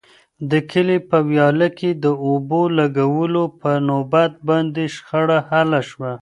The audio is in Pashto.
د کلي په ویاله کې د اوبو لګولو په نوبت باندې شخړه حل شوه.